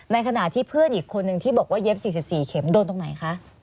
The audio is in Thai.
ในขณะที่เพื่อนอีกคนนึงที่บอกว่าเย็บ๔๔เข็มโดนตรงไหนคะ